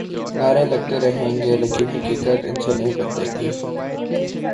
نعرے لگتے رہیں گے لیکن حقیقت ان سے نہیں بدلے گی۔